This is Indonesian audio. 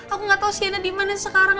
aku gak tau sienna dimana sekarang